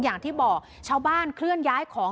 อย่างที่บอกชาวบ้านเคลื่อนย้ายของ